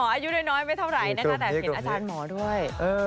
อายุน้อยไม่เท่าไหร่นะคะแต่เห็นอาจารย์หมอด้วย